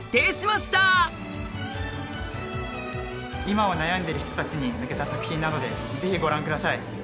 今は悩んでる人たちに向けた作品なのでぜひご覧下さい。